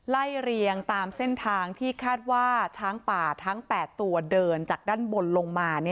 ไล่เรียงตามเส้นทางที่คาดว่าช้างป่าทั้ง๘ตัวเดินจากด้านบนลงมา